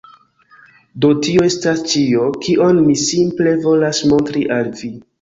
Do tio estas ĉio, kion mi simple volas montri al vi.